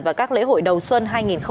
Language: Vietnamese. và các lễ hội đầu xuân hai nghìn hai mươi